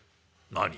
「何？